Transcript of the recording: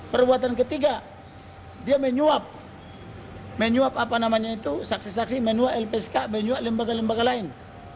perbuatan ketiga dia menyuap menyuap apa namanya itu saksi saksi manual lpsk menyuap lembaga lembaga lain